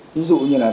ví dụ như là